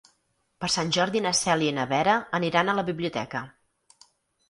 Per Sant Jordi na Cèlia i na Vera aniran a la biblioteca.